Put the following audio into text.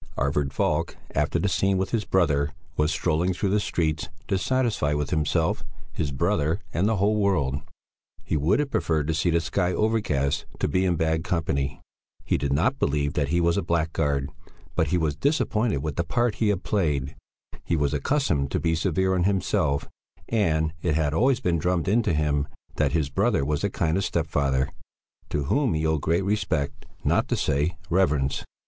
Arvid Falk, after the scene with his brother, was strolling through the streets, dissatisfied with himself, his brother, and the whole world. He would have preferred to see the sky overcast, to be in bad company. He did not believe that he was a blackguard, but he was disappointed with the part he had played; he was accustomed to be severe on himself, and it had always been drummed into him that his brother was a kind of stepfather to whom he owed great respect, not to say reverence.